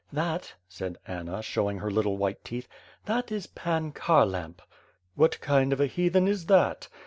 ^^ "That, said Anna, showing her little white teeth, "that is Pan Kharlamp." "What kind of a heathen is that?"'